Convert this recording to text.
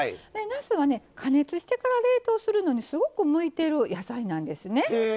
なすは加熱してから冷凍するのにすごく向いてる野菜なんですね。